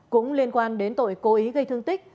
cũng liên quan đến tội cố ý gây thương tích